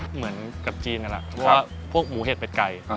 เหมือนกับจีนนั่นแหละเพราะว่าพวกหมูเห็ดเป็ดไก่